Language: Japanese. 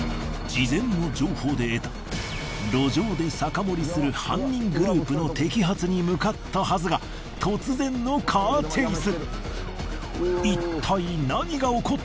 事前の情報で得た路上で酒盛りする犯人グループの摘発に向かったはずが突然のカーチェイス！